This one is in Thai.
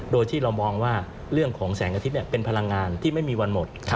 โดยที่เรามองว่าเรื่องของแสงอาทิตย์เป็นพลังงานที่ไม่มีวันหมด